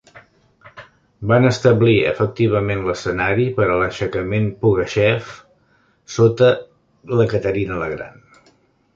Van establir efectivament l'escenari per a l'aixecament Pugachev sota la Caterina la gran.